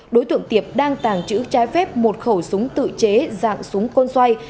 đối tượng tiệp đang tàng trữ trái phép một khẩu súng tự chế dạng súng côn xoay